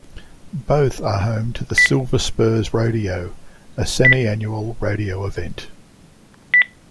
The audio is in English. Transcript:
Both are home to the Silver Spurs Rodeo a semi-annual rodeo event.